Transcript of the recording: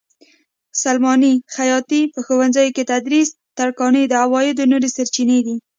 سلماني؛ خیاطي؛ په ښوونځیو کې تدریس؛ ترکاڼي د عوایدو نورې سرچینې دي.